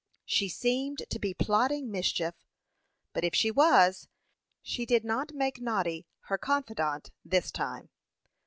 She seemed to be plotting mischief; but if she was, she did not make Noddy her confidant this time.